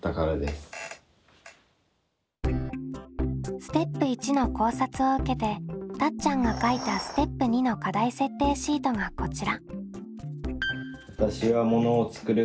ステップ①の考察を受けてたっちゃんが書いたステップ②の課題設定シートがこちら。